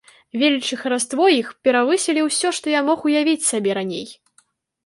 Веліч і хараство іх перавысілі ўсё, што я мог уявіць сабе раней.